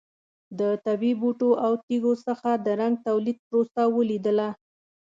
د طبیعي بوټو او تېږو څخه د رنګ تولید پروسه ولیدله.